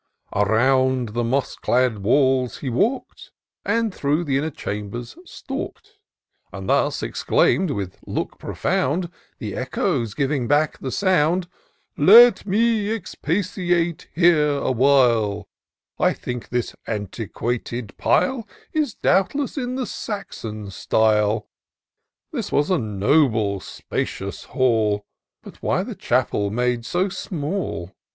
Around the moss clad walls he walk'd. Then through the inner chambers stalk'd, And thus exclaim'd, with look profound. The echoes giving back the sound :" Let me expatiate here awhile : I think this antiquated pile Is, doubtless, in the Saxon style. This was a noble spacious hall. But why the chapel made so small